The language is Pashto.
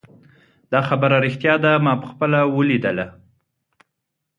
دا خبره ریښتیا ده ما پخپله ولیدله